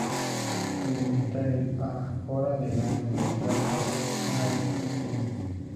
Delimita el Ágora de la universidad por una de sus esquinas.